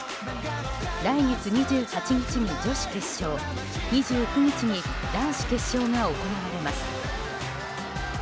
来月２８日に女子決勝２９日に男子決勝が行われます。